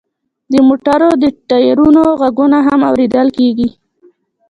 د موټرو د ټیرونو غږونه هم اوریدل کیږي